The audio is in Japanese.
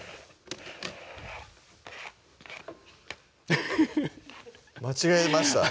フフフフッ間違えました